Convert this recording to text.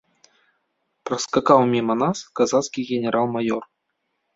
Праскакаў міма нас казацкі генерал-маёр.